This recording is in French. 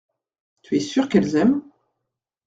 Tu es sûr qu’elles aiment.